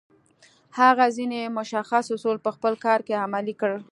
هغه ځينې مشخص اصول په خپل کار کې عملي کړل.